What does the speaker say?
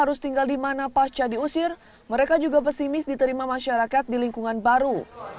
harus tinggal di mana pasca diusir mereka juga pesimis diterima masyarakat di lingkungan baru